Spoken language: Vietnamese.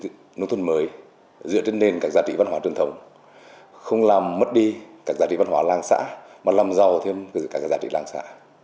nông thôn mới dựa trên nền các giá trị văn hóa truyền thống không làm mất đi các giá trị văn hóa làng xã mà làm giàu thêm các giá trị làng xã